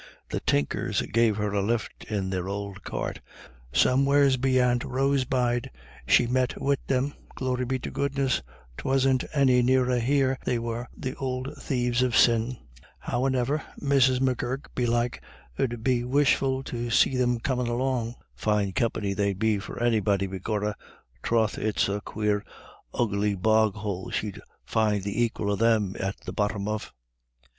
The Tinkers gave her a lift in their ould cart. Somewheres beyant Rosbride she met wid them; glory be to goodness 'twasn't any nearer here they were, the ould thieves of sin. Howane'er, Mrs. M'Gurk belike 'ud be wishful to see thim comin' along. Fine company they'd be for anybody begorrah. Troth, it's the quare ugly boghoule she'd find the aquil of thim at the bottom of."